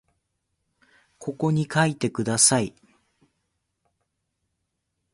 ここに書いてください